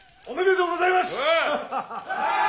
おめでとうございます。